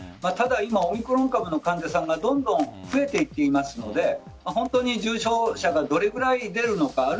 ただ今、オミクロン株の患者さんがどんどん増えていっていますので本当に重症者がどれぐらい出るのか。